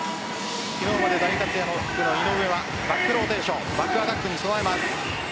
昨日まで大活躍の井上はバックローテーションバックアタックに備えます。